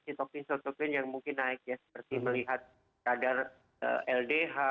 sitokin sotokin yang mungkin naik ya seperti melihat kadar ldh